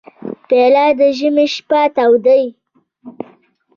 پیاله د ژمي شپه تودوي.